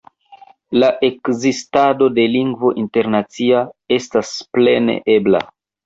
La ekzistado de lingvo internacia estas plene ebla.